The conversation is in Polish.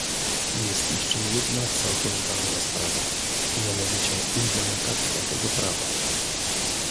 Jest jeszcze jedna całkiem ważna sprawa, mianowicie implementacja tego prawa